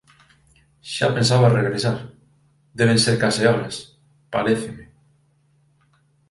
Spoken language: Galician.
Xa pensaba regresar… deben de ser case horas, paréceme.